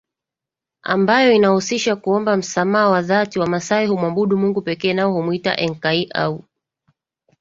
ambayo inahusisha kuomba msamaha wa dhatiWamasai humwabudu Mungu pekee nao humwita Enkai au